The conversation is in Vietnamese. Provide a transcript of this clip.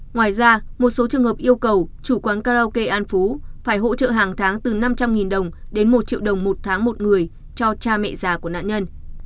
ngoài ra một số trường hợp yêu cầu chủ quán karaoke an phú phải hỗ trợ hàng tháng từ năm trăm linh đồng đến một triệu đồng một tháng một người cho cha mẹ già của nạn nhân